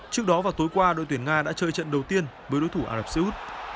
trước đó vào tối qua đội tuyển nga đã chơi trận đầu tiên với đối thủ ả rập xê út